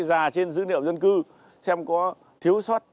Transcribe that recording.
ra trên dữ liệu dân cư xem có thiếu soát